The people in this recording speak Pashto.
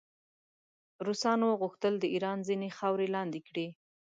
روسانو غوښتل د ایران ځینې خاورې لاندې کړي.